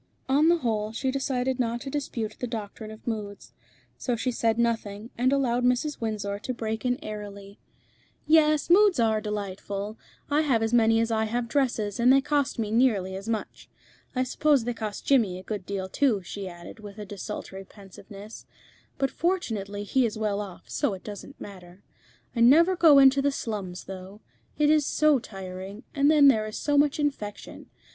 On the whole, she decided not to dispute the doctrine of moods. So she said nothing, and allowed Mrs. Windsor to break in airily "Yes, moods are delightful. I have as many as I have dresses, and they cost me nearly as much. I suppose they cost Jimmy a good deal too," she added, with a desultory pensiveness; "but fortunately he is well off, so it doesn't matter. I never go into the slums, though. It is so tiring, and then there is so much infection.